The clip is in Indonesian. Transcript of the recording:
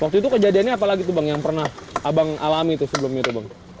waktu itu kejadiannya apa lagi tuh bang yang pernah abang alami tuh sebelumnya tuh bang